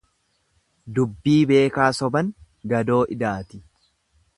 Dubbii beekaa soban gadoo idaati.